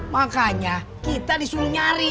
makanya kita disuruh nyari